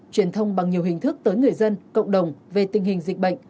truyền thông bằng nhiều hình thức tới người dân cộng đồng về tình hình dịch bệnh